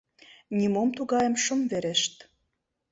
— Нимом тугайым шым верешт!